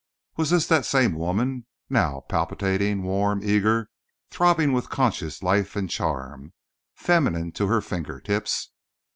Was this that same woman—now palpitating, warm, eager, throbbing with conscious life and charm, feminine to her finger tips?